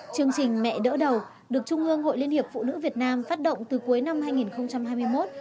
chương trình mẹ đỡ đầu được trung ương hội liên hiệp phụ nữ việt nam phát động từ cuối năm hai nghìn hai mươi một